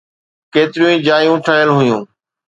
ڪيتريون ئي جايون ٺهيل هيون